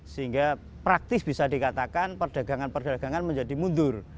sehingga praktis bisa dikatakan perdagangan perdagangan menjadi mundur